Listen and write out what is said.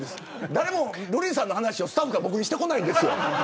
誰も瑠麗さんの話をスタッフがしてこないんです。